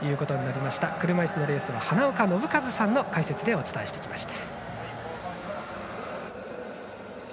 車いすのレースは花岡伸和さんの解説でお伝えしてきました。